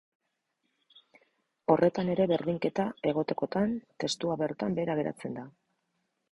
Horretan ere berdinketa egotekotan, testua bertan behera geratzen da.